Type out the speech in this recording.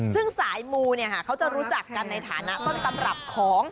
ซึ่งสายมูเขาจะรู้จักกันในฐานะต้นตำรับของ